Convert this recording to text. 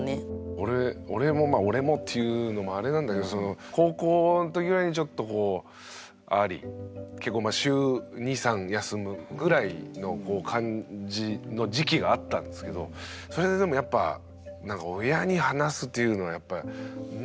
俺俺もまあ俺もって言うのもあれなんだけどその高校の時ぐらいにちょっとこうあり結構まあ週２３休むぐらいのこう感じの時期があったんですけどそれでもやっぱなんか親に話すというのはやっぱなかったね。